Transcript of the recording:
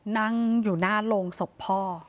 นั่งอยู่หน้าโรงศพพ่อ